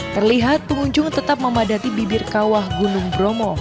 terlihat pengunjung tetap memadati bibir kawah gunung bromo